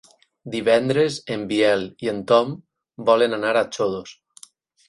Divendres en Biel i en Tom volen anar a Xodos.